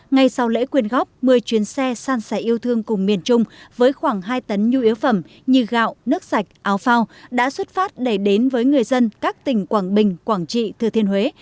ngay sau lễ quyên góp một mươi chuyến xe san sẻ yêu thương cùng miền trung với khoảng hai tấn nhu yếu phẩm như gạo nước sạch áo phao đã xuất phát để đến với người dân các tỉnh quảng bình quảng trị thừa thiên huế